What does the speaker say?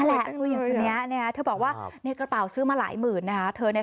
สวัสดีสวัสดีสวัสดีสวัสดีสวัสดีสวัสดี